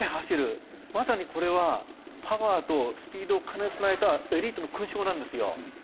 まさにこれはパワーとスピードを兼ね備えたエリートの勲章なんですよ。